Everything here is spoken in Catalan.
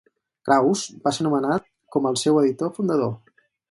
Krauss va ser anomenat com al seu editor fundador.